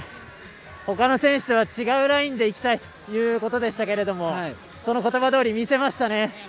ほかの選手とは違うラインで行きたいということでしたがその言葉どおり見せましたね。